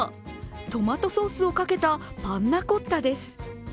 トマトソースをかけたパンナコッタです。